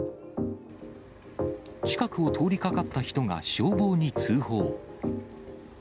近くを通りかかった人が消防に通報。